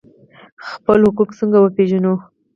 خپل حقوق څنګه وپیژنو؟